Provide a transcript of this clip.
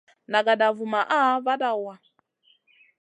Nagada vumaʼha vada waʼa.